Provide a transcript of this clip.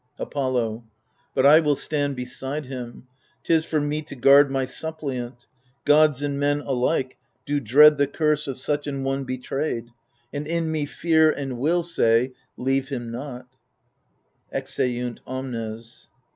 Apollo But I will stand beside him ; 'tis for me To guard my suppliant : gods and men alike Do dread the curse of such an one betrayed. And in me Fear and Will say Leave him not, [Exeunt omnes.